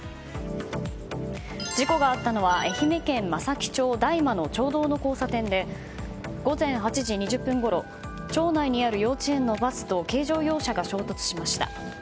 事故があったのは愛媛県松前町大間の町道の交差点で、午前８時２０分ごろ町内にある幼稚園のバスと軽乗用車が衝突しました。